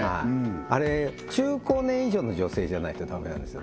あれ中高年以上の女性じゃないとダメなんですよ